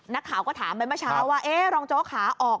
นักข่าวก็ถามไปเมื่อเช้าว่าเอ๊ะรองโจ๊กขาออก